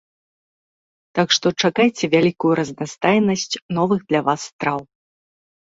Так што чакайце вялікую разнастайнасць новых для вас страў.